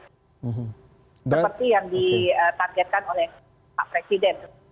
seperti yang ditargetkan oleh pak presiden